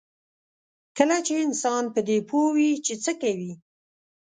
کله چې انسان په دې پوه وي چې څه کوي.